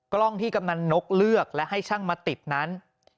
กล้องที่กำนันนกเลือกและให้ช่างมาติดนั้น